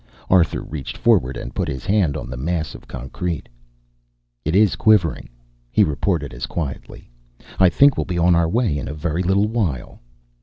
Arthur reached forward and put his hand on the mass of concrete. "It is quivering!" he reported as quietly. "I think we'll be on our way in a very little while."